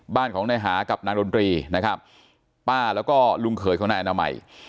บ้านของนายหากับนางดนตรีนะครับป้าแล้วก็ลุงเขยของนายอนามัย